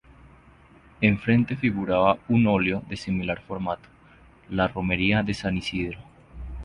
Enfrente figuraba un óleo de similar formato: "La romería de San Isidro".